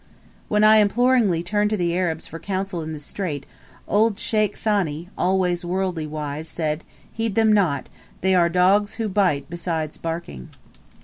When I imploringly turned to the Arabs for counsel in this strait, old Sheikh Thani, always worldly wise, said, "Heed them not; they are dogs who bite besides barking."